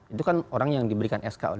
itu kan orang yang diberikan sko dia